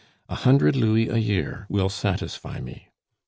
A hundred louis a year will satisfy me.